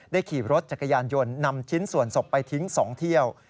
ขี่รถจักรยานยนต์นำชิ้นส่วนศพไปทิ้ง๒เที่ยว